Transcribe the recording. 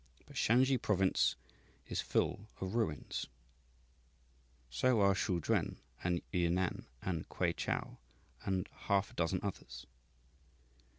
But Shansi Province is full of ruins. So are Szechuan and Yunnan and Kuei chow, and half a dozen others.